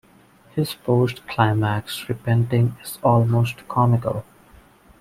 His post-climax repenting is almost comical.